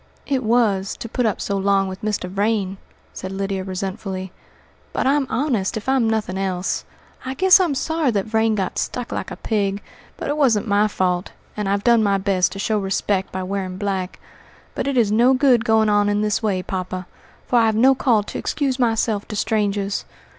"It was, to put up so long with Mr. Vrain," said Lydia resentfully; "but I'm honest, if I'm nothing else. I guess I'm sorry that Vrain got stuck like a pig; but it wasn't my fault, and I've done my best to show respect by wearing black. But it is no good going on in this way, poppa, for I've no call to excuse myself to strangers.